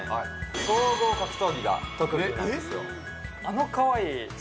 総合格闘技が特技なんですよ